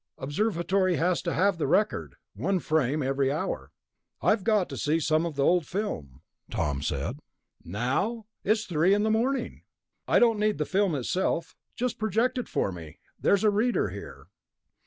"Observatory has to have the record. One frame every hour...." "I've got to see some of the old film," Tom said. "Now? It's three in the morning." "I don't need the film itself, just project it for me. There's a reader here."